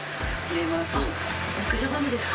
肉じゃがにですか？